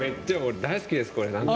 大好きです、僕、これ。